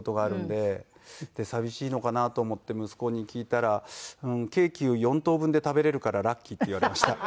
で寂しいのかなと思って息子に聞いたら「ケーキを４等分で食べれるからラッキー」って言われました。